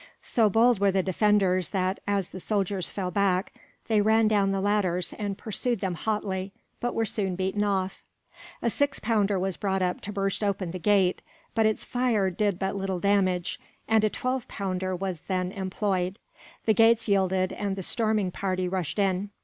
So bold were the defenders that, as the soldiers fell back, they ran down the ladders and pursued them hotly; but were soon beaten off. A six pounder was brought up to burst open the gate, but its fire did but little damage; and a twelve pounder was then employed. The gates yielded, and the storming party rushed in.